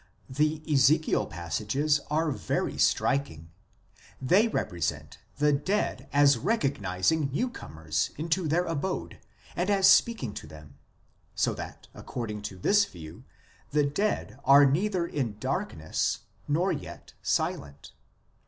The Ezekiel passages are very striking ; they represent the dead as recognizing new comers into their abode and as speaking to them ; so that according to this view the dead are neither in darkness nor yet silent.